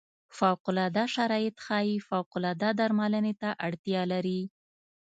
فوق العاده شرایط ښايي فوق العاده درملنې ته اړتیا لري.